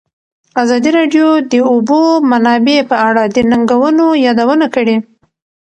ازادي راډیو د د اوبو منابع په اړه د ننګونو یادونه کړې.